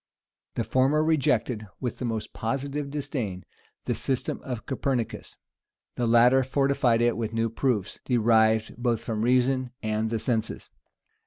The former rejected, with the most positive disdain, the system of Copernicus: the latter fortified it with new proofs, derived both from reason and the senses.